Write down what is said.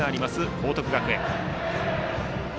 報徳学園。